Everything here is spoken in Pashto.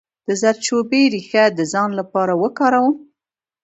د زردچوبې ریښه د څه لپاره وکاروم؟